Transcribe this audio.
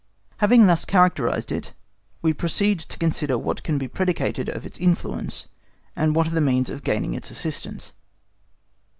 Having thus characterised it, we proceed to consider what can be predicated of its influence, and what are the means of gaining its assistance.